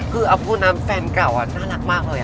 กูน้ำแฟนเก่าน่ารักมากเลย